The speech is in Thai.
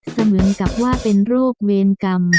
เหมือนกับว่าเป็นโรคเวรกรรม